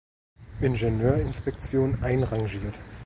Ingenieurinspektion einrangiert.